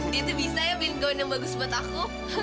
dia tak bisa ambil gawat yang bagus buat aku